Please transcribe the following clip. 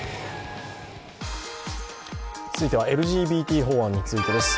続いてはＬＧＢＴ法案についてです。